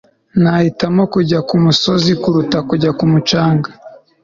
nahitamo kujya kumusozi kuruta kujya ku mucanga